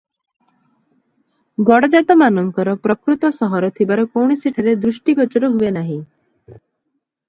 ଗଡ଼ଜାତମାନଙ୍କର ପ୍ରକୃତ ସହର ଥିବାର କୌଣସିଠାରେ ଦୃଷ୍ଟିଗୋଚର ହୁଏ ନାହିଁ ।